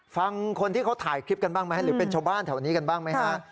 ฟังคนที่เค้าถ่ายคลิปกันบ้างที่เป็นชาวบ้านที่นี้กันบ้างไหมฮะ